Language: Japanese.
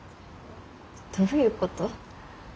どういうこと？